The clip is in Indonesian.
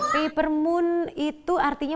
peppermoon itu artinya